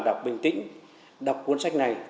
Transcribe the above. đọc bình tĩnh đọc cuốn sách này